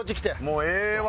もうええわ！